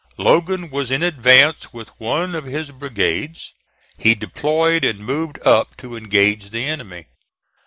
Logan was in advance with one of his brigades. He deployed and moved up to engage the enemy.